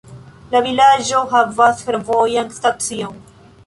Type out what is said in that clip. La vilaĝo havas fervojan stacion.